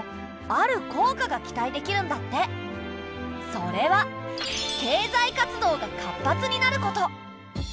それは経済活動が活発になること。